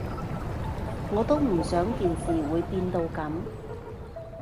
我都唔想件事會變到噉